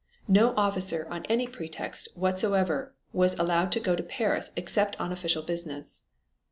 No officer, on any pretext whatsoever was allowed to go to Paris except on official business.